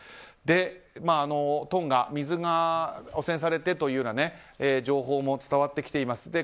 トンガ、水が汚染されてというような情報も伝わってきています。